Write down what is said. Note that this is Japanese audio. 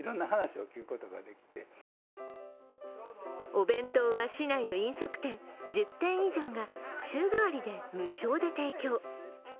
お弁当は市内の飲食店、１０店以上が週替わりで無償で提供。